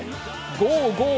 ゴーゴー